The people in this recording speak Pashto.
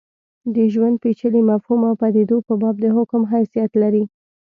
د ژوند پېچلي مفهوم او پدیدو په باب د حکم حیثیت لري.